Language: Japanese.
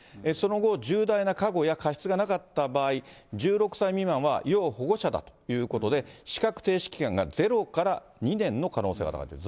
その後、重大な過誤や過失がなかった場合、１６歳未満は要保護者だということで、資格停止期間が０から２年の可能性が高い。